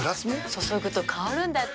注ぐと香るんだって。